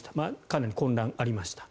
かなり混乱がありました。